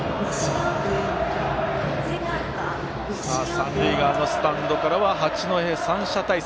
三塁側のスタンドからは八戸三社大祭